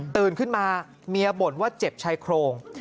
ตื่นขึ้นมาเมียบ่นว่าเจ็บชายโครง